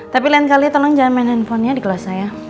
tapi lain kali tolong jangan main handphonenya di kelas saya